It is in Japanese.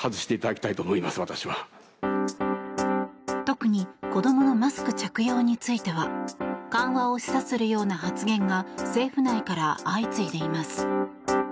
特に、子供のマスク着用については緩和を示唆するような発言が政府内から相次いでいます。